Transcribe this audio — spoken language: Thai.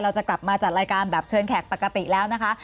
เราจะมาจัดรายการเชิญแขกตะกะติแล้วนะคะ